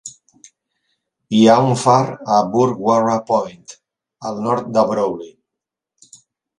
Hi ha un far a Burrewarra Point, al nord de Broulee.